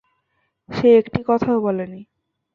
সে একটি কথাও বলে নি।